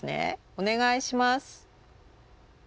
お願いします。